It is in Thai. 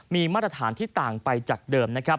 มีมาตรฐานที่ต่างไปจากเดิม